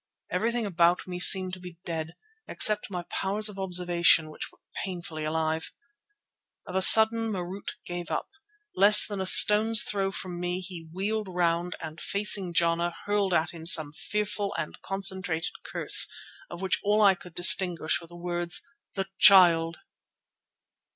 Everything about me seemed to be dead, except my powers of observation, which were painfully alive. Of a sudden Marût gave up. Less than a stone's throw from me he wheeled round and, facing Jana, hurled at him some fearful and concentrated curse, of which all that I could distinguish were the words: "The Child!"